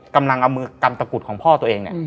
กำลังกำตะกุดของพ่อตัวเอง